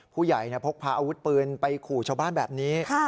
พกพาอาวุธปืนไปขู่ชาวบ้านแบบนี้